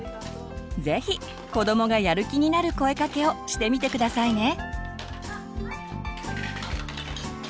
是非子どもがやる気になる声かけをしてみて下さいね。